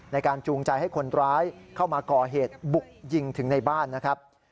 จูงใจให้คนร้ายเข้ามาก่อเหตุบุกยิงถึงในบ้านนะครับ